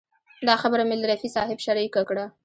دا خبره مې له رفیع صاحب شریکه کړه.